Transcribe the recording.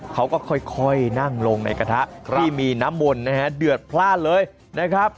เขาก็ค่อยนั่งลงในกระทะที่มีน้ำมนต์นะฮะเดือดพลาดเลยนะครับ